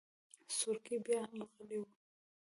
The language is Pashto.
سورکی بياهم غلی و.